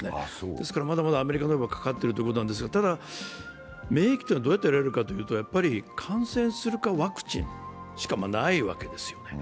ですから、まだまだアメリカよりはかかっているということなんですが、ただ、免疫というのはどうやって得られるかというと、感染するか、ワクチンしかないわけですよね。